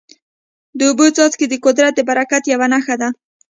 د اوبو څاڅکي د قدرت د برکت یوه نښه ده.